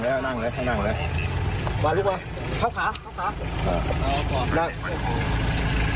ไม่มีครับ